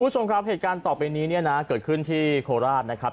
คุณผู้ชมครับเหตุการณ์ต่อไปนี้เนี่ยนะเกิดขึ้นที่โคราชนะครับ